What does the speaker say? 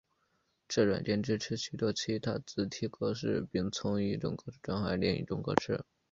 这软件支持许多其他字体格式并从一种格式转换到另一种格式。